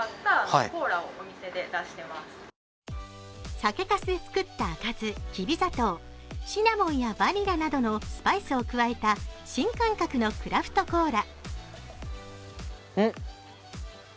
酒かすで作った赤酢、きび砂糖、シナモンやバニラなどのスパイスを加えた新感覚のクラフトコーラ。